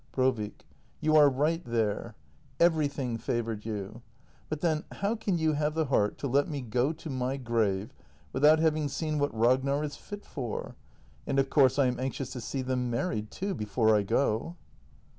Brovik. You are right there. Everything favoured you. But then how can you have the heart to let me go to my grave — without having seen what Ragnar is fit for? And of course I am anxious to see them married, too — before I go.